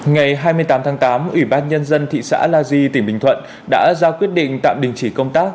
ngày hai mươi tám tháng tám ủy ban nhân dân thị xã la di tỉnh bình thuận đã ra quyết định tạm đình chỉ công tác